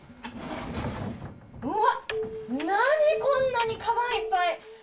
こんなにカバンいっぱい。